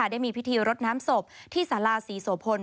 เป็นพิธีรดน้ำศพที่ศาลาศรีโสพล